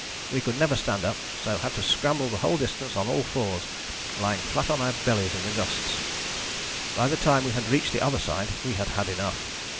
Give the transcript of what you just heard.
We could never stand up, so had to scramble the whole distance on 'all fours,' lying flat on our bellies in the gusts. By the time we had reached the other side we had had enough.